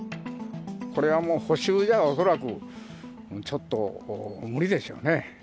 これはもう補修じゃ恐らくちょっと無理でしょうね。